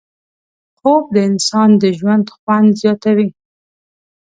خوب د انسان د ژوند خوند زیاتوي